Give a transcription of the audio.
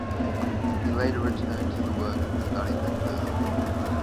He later returned to the works and studied them further.